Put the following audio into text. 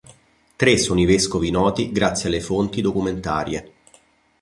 Tre sono i vescovi noti grazie alle fonti documentarie.